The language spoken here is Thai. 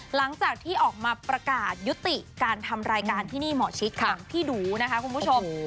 หลังจากที่ออกมาประกาศยุติการทำรายการที่นี่หมอชิดของพี่ดูนะคะคุณผู้ชม